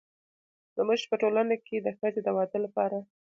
زموږ په ټولنه کې د ښځې د واده لپاره